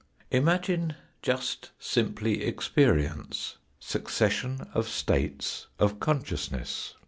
Imagine just simply experience, suc cession of states, of consciousness